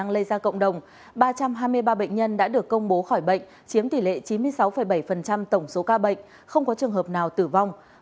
hai mươi ba bệnh nhân đã được công bố khỏi bệnh chiếm tỷ lệ chín mươi sáu bảy tổng số ca bệnh không có trường hợp nào tử vong